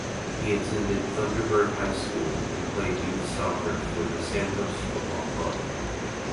He attended Thunderbird High School, and played youth soccer for the Santos Futbol Clube.